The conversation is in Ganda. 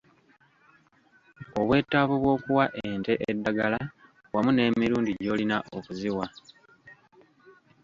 Obwetaavu bw’okuwa ente eddagala wamu n’emirundi gy’olina okuziwa.